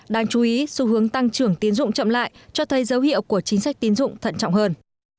đáng chú ý xu hướng tăng trưởng tiến dụng chậm lại cho thấy dấu hiệu của chính sách tín dụng thận trọng hơn